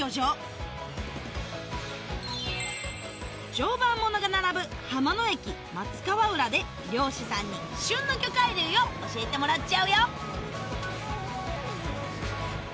常磐ものが並ぶで漁師さんに旬の魚介類を教えてもらっちゃうよ